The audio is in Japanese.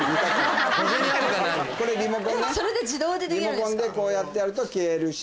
これリモコンなリモコンでこうやってやると消えるし。